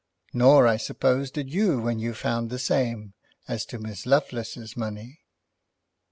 Nor I suppose did you when you found the same as to Miss Lovelace's money."